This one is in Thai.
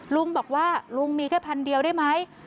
ลุงบอกว่าลุงมีแค่พันเดียวได้ไหม